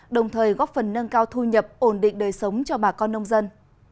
đồng thời góp phần nâng cao thu nhập ổn định đời sống cho bà con nông dân